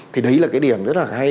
thì đấy là cái điểm rất là hay